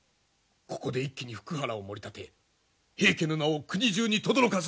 ここで一気に福原をもり立て平家の名を国中にとどろかすのだ！